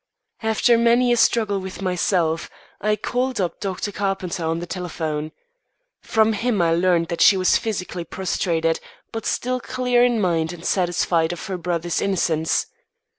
After many a struggle with myself, I called up Dr. Carpenter on the telephone. From him I learned that she was physically prostrated, but still clear in mind and satisfied of her brother's innocence.